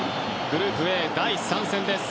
グループＡの第３戦です。